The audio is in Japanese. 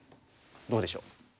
どうでしょう？